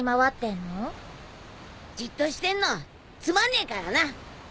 じっとしてんのつまんねえからな。